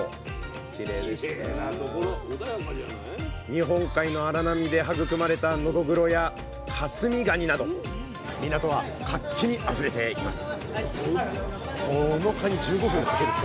日本海の荒波で育まれたノドグロや香住ガニなど港は活気にあふれています